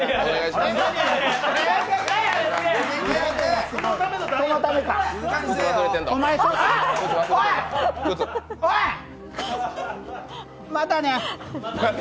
またね。